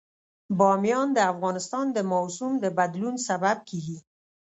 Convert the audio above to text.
بامیان د افغانستان د موسم د بدلون سبب کېږي.